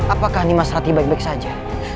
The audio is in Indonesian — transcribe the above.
apakah nimas rati baik baik saja